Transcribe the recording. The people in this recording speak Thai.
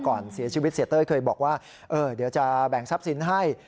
ก่อนเสียชีวิตเสียเต้ยเคยบอกว่าเดี๋ยวจะแบ่งทรัพย์สินให้